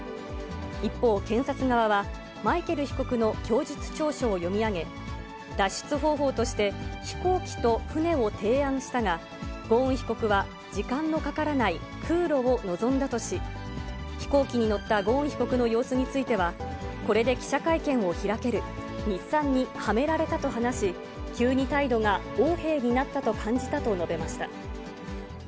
一方、検察側はマイケル被告の供述調書を読み上げ、脱出方法として、飛行機と船を提案したが、ゴーン被告は時間のかからない空路を望んだとし、飛行機に乗ったゴーン被告の様子については、これで記者会見を開ける、日産にはめられたと話し、急に態度が横柄になったと感じたと述べました。